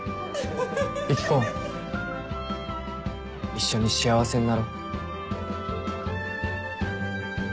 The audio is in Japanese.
一緒に幸せになろう。